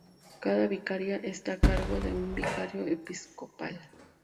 Cada vicaría, está a cargo de un "vicario episcopal".